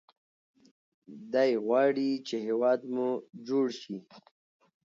دی غواړي چې هیواد مو جوړ شي.